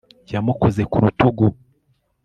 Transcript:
Yamukoze ku rutugu